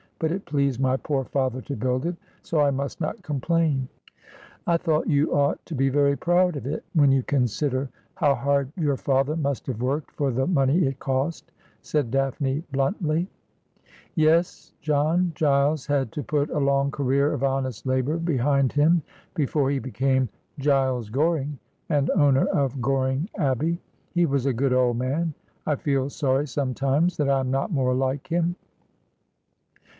But it pleased my poor father to build it, so I must not complain.' ' I think you ought to be very proud of it when you consider how hard your father must have worked for the money it cost ' said Daphne bluntly. '' Yes, John Giles had to put a long career of honest labour behind him, before he became Giles Goring and owner of Goring Abbey. He was a good old man. I feel sorry sometimes that I am not more like him.'